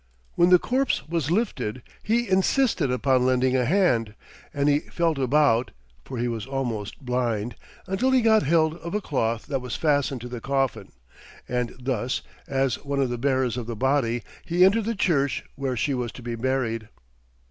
When the corpse was lifted, he insisted upon lending a hand, and he felt about (for he was almost blind) until he got held of a cloth that was fastened to the coffin; and thus, as one of the bearers of the body, he entered the church where she was to be buried.